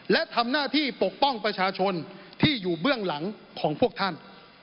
และทำหน้าที่ปกป้องประชาชนที่อยู่เบื้องหลังของพวกท่าน